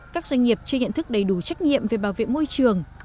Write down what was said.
các doanh nghiệp chưa nhận thức đầy đủ trách nhiệm về bảo vệ môi trường